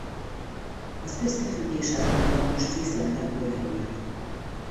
Az összefüggés azonban most viszonylag bonyolult.